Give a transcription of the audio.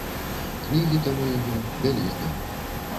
Кнігі там у яго, бялізна.